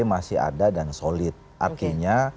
masih ada dan solid artinya